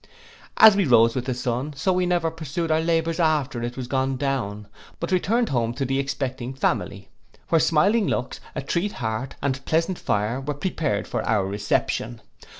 As we rose with the sun, so we never pursued our labours after it was gone down, but returned home to the expecting family; where smiling looks, a treat hearth, and pleasant fire, were prepared for our reception.